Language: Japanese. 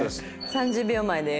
３０秒前です。